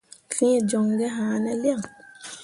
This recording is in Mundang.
̃Fẽe joŋ gi haane lian ?